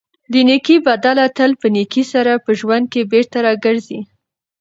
د نېکۍ بدله تل په نېکۍ سره په ژوند کې بېرته راګرځي.